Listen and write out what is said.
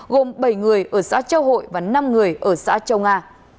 gồm bảy người ở xã châu hội và năm người ở xã châu nga